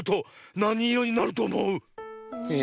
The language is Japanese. え？